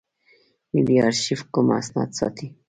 ملي آرشیف کوم اسناد ساتي؟